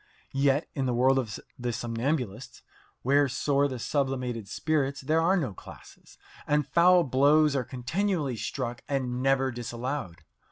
Yet in the world of the somnambulists, where soar the sublimated spirits, there are no classes, and foul blows are continually struck and never disallowed.